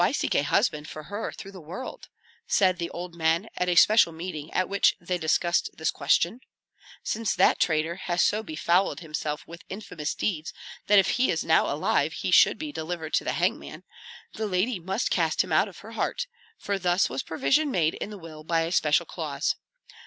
"Why seek a husband for her through the world?" said the old men at a special meeting at which they discussed this question. "Since that traitor has so befouled himself with infamous deeds that if he is now alive he should be delivered to the hangman, the lady must cast him out of her heart, for thus was provision made in the will by a special clause.